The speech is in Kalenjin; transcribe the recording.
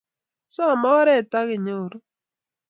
Some oret akinyoru